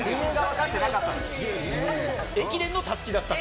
駅伝のたすきだったって。